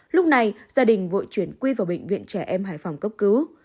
lúc này gia đình vội chuyển quy vào bệnh viện trẻ em hải phòng cấp cứu